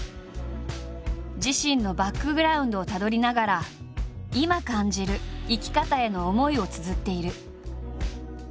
自身のバックグラウンドをたどりながら今感じる生き方への思いをつづっている。